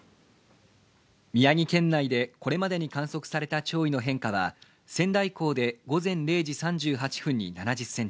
宮城県内でこれまでに観測された潮位の変化は仙台港で午前０時３８分に７０ｃｍ